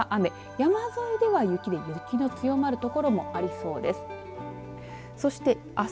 山沿いでは雪で、雪の強まる所がありそうです。